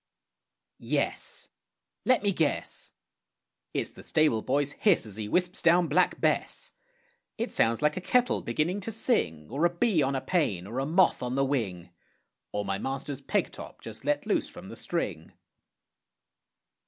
Yes! Let me guess: It's the stable boy's hiss as he wisps down Black Bess. It sounds like a kettle beginning to sing, Or a bee on a pane, or a moth on the wing, Or my master's peg top, just let loose from the string.